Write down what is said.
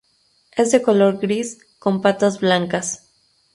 Es de color gris, con patas blancas.